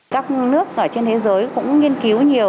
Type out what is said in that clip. các nước trên thế giới cũng nghiên cứu nhiều